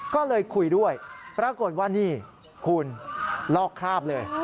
ก็เลยคุยด้วยปรากฏว่านี่คุณลอกคราบเลย